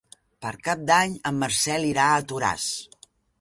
Per Cap d'Any en Marcel irà a Toràs.